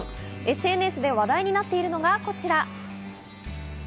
ＳＮＳで話題になっているのがこちら。